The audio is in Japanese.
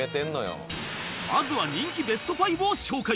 まずは人気ベスト５を紹介